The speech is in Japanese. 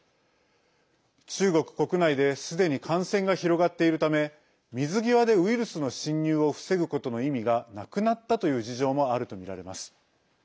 中国国内ですでに感染が広がっているため水際で、ウイルスの侵入を防ぐことの意味がなくなったという事情もあるとみられます。